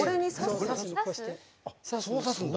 そう刺すんだ。